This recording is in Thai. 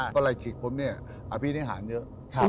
ก็ไรขิกผมเนี่ยอาพินิหารเยอะ